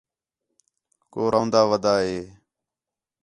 کُو رَون٘داں ودا ہے